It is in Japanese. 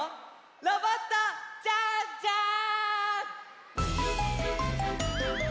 ロボットジャンジャーン！